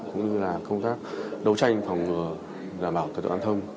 cũng như là công tác đấu tranh phòng ngừa giảm bảo tài tội an thông